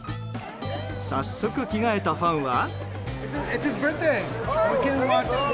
早速、着替えたファンは。